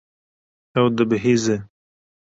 Ew dibihîze.